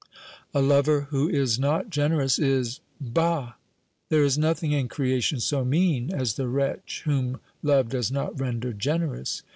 "A lover who is not generous is bah! there is nothing in creation so mean as the wretch whom love does not render generous.